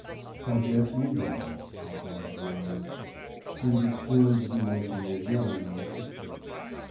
"I guess you win," said Bob wearily. These extremes of emotion were wearing on the system.